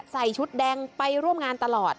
ใส่ชุดแดงไปร่วมงานตลอด